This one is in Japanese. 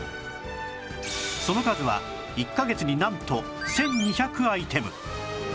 その数は１カ月になんと１２００アイテム